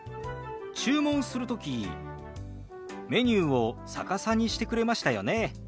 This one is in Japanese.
注文する時メニューを逆さにしてくれましたよね。